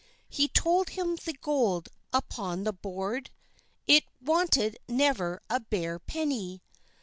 He told him the gold upon the bord, It wanted never a bare penny.